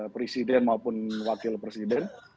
presiden maupun wakil presiden